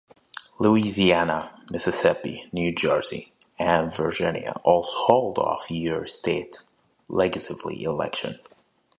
Louisiana, Mississippi, New Jersey, and Virginia also hold off-year state legislative elections.